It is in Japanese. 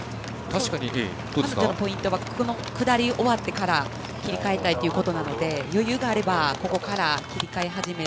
ポイントはこの下り終わってから切り替えたいということなので余裕があればここから切り替え始める。